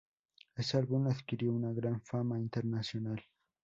Este álbum adquirió una gran fama internacional.